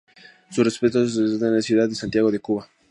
Sus restos reposan en la ciudad de Santiago de Cuba.